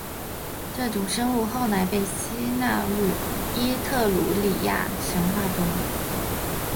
这种生物后来被吸纳入伊特鲁里亚神话中。